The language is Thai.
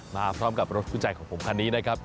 มาพร้อมกับรถคู่ใจของผมคันนี้นะครับ